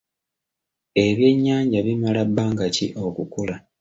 Ebyennyanja bimala bbanga ki okukula?